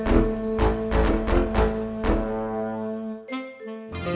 kamu mau ke rumah